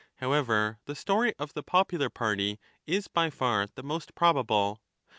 However, the story of the popular party is by far the most probable.